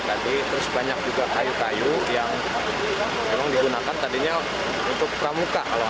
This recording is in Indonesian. tadi terus banyak juga kayu kayu yang memang digunakan tadinya untuk pramuka